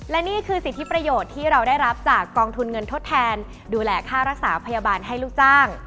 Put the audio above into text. และนี่คือสิทธิประโยชน์ที่เราได้รับจากกองทุนเงินทดแทนดูแลค่ารักษาพยาบาลให้ลูกจ้าง